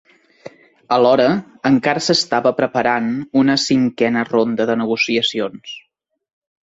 Alhora, encara s'estava preparant una cinquena ronda de negociacions.